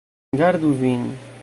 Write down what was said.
Gardu vin!